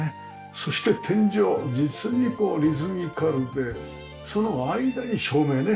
そして天井実にこうリズミカルでその間に照明ね。